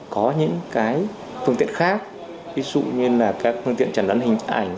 có những cái phương tiện khác ví dụ như là các phương tiện chẩn đoán hình ảnh